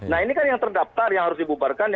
nah ini kan yang terdaftar yang harus dibubarkan